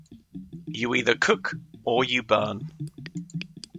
You either cook or you burn.